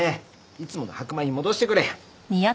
いつもの白米に戻してくれ。